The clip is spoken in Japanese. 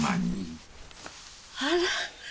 あら。